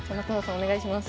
お願いします。